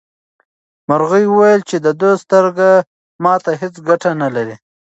مرغۍ وویل چې د ده سترګه ماته هیڅ ګټه نه لري.